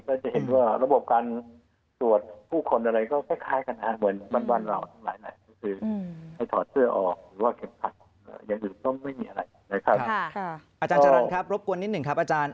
ก็จะเห็นว่าระบบการตรวจผู้คนอะไรก็คล้ายกันนะครับ